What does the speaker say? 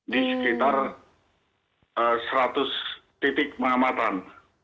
di sekitar seratus titik pengamatan